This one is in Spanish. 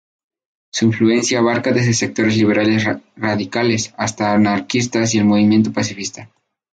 Su influencia abarca desde sectores liberales radicales hasta anarquistas y el movimiento pacifista.